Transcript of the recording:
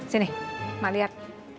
sini mak liat